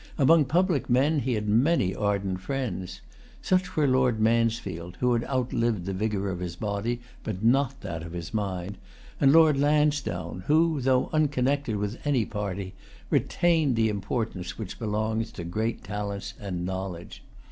Among public men he had many ardent friends. Such were Lord Mansfield, who had outlived the vigor of his body, but not that of his mind; and Lord Lansdowne, who, though unconnected with any party, retained the importance which belongs to great talents and knowledge.